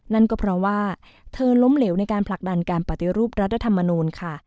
นั่นก็เพราะว่าเธอล้มเหลวในการผลักดันการปฏิรูปรัฐธรรมนูลค่ะ